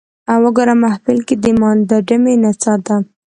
وګوره محفل کې د مانده ډمې نڅا ته